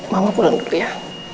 mama pulang dulu ya